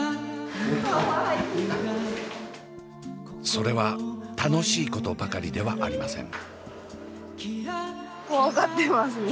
それは楽しいことばかりではありません。